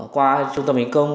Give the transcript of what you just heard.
qua trung tâm hình công